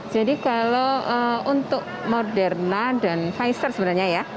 jadi kalau untuk moderna dan pfizer sebenarnya ya